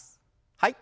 はい。